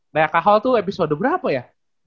lea cahol tuh episode berapa ya